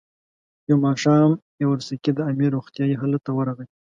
یو ماښام یاورسکي د امیر روغتیایي حالت ته ورغی.